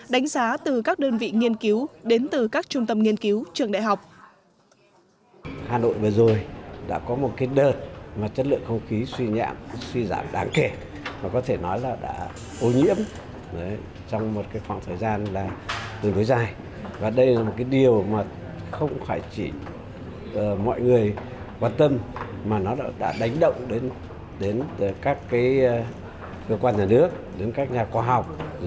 đánh giá từ các đơn vị nghiên cứu đến từ các trung tâm nghiên cứu trường đại học